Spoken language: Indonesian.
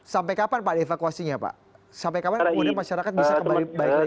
sampai kapan pak dievakuasinya pak sampai kapan kemudian masyarakat bisa kembali ke ekonomi